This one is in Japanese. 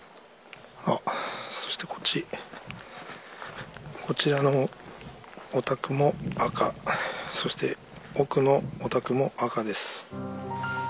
そしてこっち、こちらのお宅も赤、そして、奥のお宅も赤です。